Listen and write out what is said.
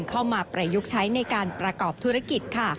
ประยุกต์ใช้ในการประกอบธุรกิจค่ะ